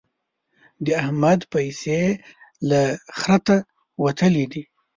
د احمد پيسې له خرته وتلې دي.